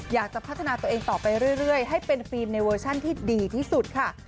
อยากจะพัฒนาตัวเองต่อไปเรื่อยให้เป็นฟิล์มในเวอร์ชันที่ดีที่สุดค่ะ